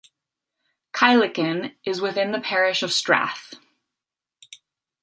Kyleakin is within the parish of Strath.